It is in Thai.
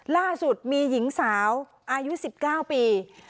ล่าสุดมีหญิงสาวอายุ๑๙ปี